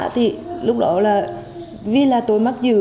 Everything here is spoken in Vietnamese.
thì lúc đó là vì là tôi mắc dừ